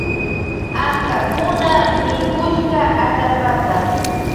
Ankakuna mikushka atallpata.